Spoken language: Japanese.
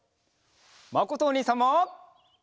まことおにいさんも。